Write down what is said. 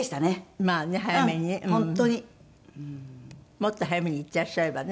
もっと早めに行ってらっしゃればね。